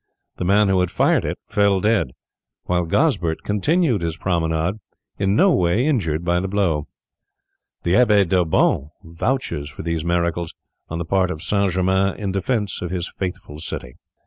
The man who had fired it fell dead, while Gozbert continued his promenade in no way injured by the blow. The Abbe D'Abbon vouches for these miracles on the part of St. Germain in defence of his faithful city.